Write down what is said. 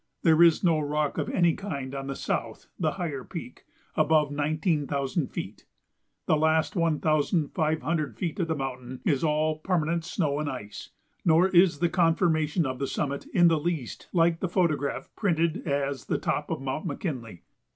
There is no rock of any kind on the South (the higher) Peak above nineteen thousand feet. The last one thousand five hundred feet of the mountain is all permanent snow and ice; nor is the conformation of the summit in the least like the photograph printed as the "top of Mt. McKinley."